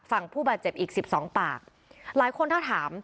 ผู้บาดเจ็บอีกสิบสองปากหลายคนถ้าถาม